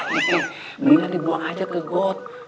kemudian dibuang aja ke got